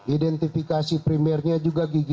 identifikasi primernya juga gigi